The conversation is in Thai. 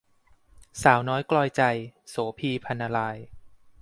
สาวน้อยกลอยใจ - โสภี พรรณราย